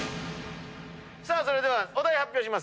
さあそれではお題発表します。